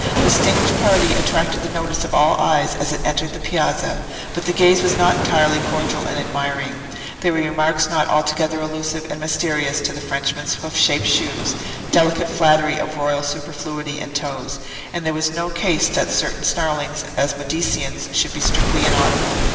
The distinguished party attracted the notice of all eyes as it entered the piazza, but the gaze was not entirely cordial and admiring; there were remarks not altogether allusive and mysterious to the Frenchman's hoof shaped shoes—delicate flattery of royal superfluity in toes; and there was no care that certain snarlings at "Mediceans" should be strictly inaudible.